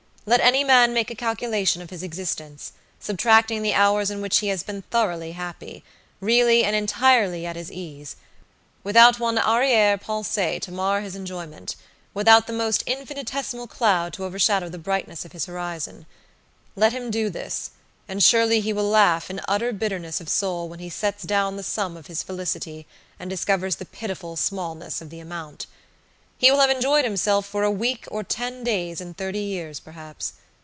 Let any man make a calculation of his existence, subtracting the hours in which he has been thoroughly happyreally and entirely at his ease, without one arriere pensée to mar his enjoymentwithout the most infinitesimal cloud to overshadow the brightness of his horizon. Let him do this, and surely he will laugh in utter bitterness of soul when he sets down the sum of his felicity, and discovers the pitiful smallness of the amount. He will have enjoyed himself for a week or ten days in thirty years, perhaps.